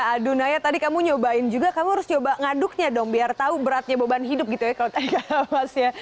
aduh naya tadi kamu nyobain juga kamu harus coba ngaduknya dong biar tahu beratnya beban hidup gitu ya kalau tadi mas ya